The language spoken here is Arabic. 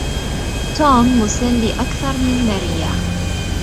توم مسلي أكثر من ماريا.